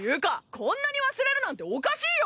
こんなに忘れるなんておかしいよ！